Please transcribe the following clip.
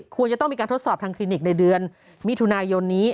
ควรจะต้องมีการทดสอบทางคลินิกในเดือนมิถุนายนนี้